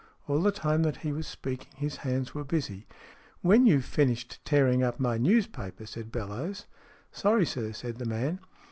All the time that he was speaking, his hands were busy. "When you've finished tearing up my newspaper," said Bellowes. " Sorry, sir," said the man.